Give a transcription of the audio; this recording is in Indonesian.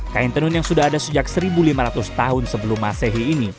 kain tenun yang sudah ada sejak seribu lima ratus tahun sebelum masehi ini